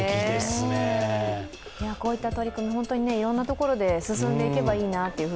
こういった取り組みいろんなところで進んでいけばいいなと。